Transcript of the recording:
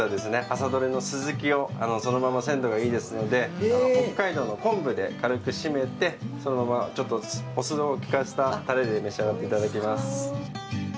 朝どれの鱸をそのまま鮮度がいいですので北海道の昆布で軽くしめてそのままちょっとお酢をきかせたタレで召し上がって頂きます。